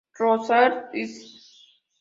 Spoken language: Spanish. Royal St.